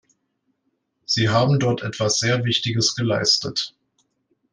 Sie haben dort etwas sehr Wichtiges geleistet!